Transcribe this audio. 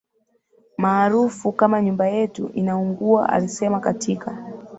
maarufu kama Nyumba yetu inaungua alisema katika